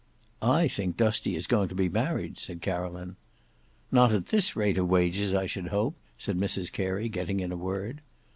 "I think Dusty is going to be married," said Caroline. "Not at this rate of wages I should hope," said Mrs Carey, getting in a word.